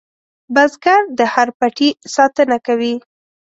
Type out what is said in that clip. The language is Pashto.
بزګر د هر پټي ساتنه کوي